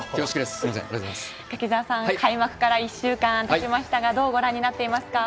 柿澤さん、開幕から１週間たちましたがどうご覧になっていますか？